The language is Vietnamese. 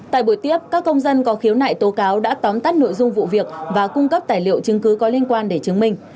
tại buổi tiếp các công dân có khiếu nại tố cáo đã tóm tắt nội dung vụ việc và cung cấp tài liệu chứng cứ có liên quan để chứng minh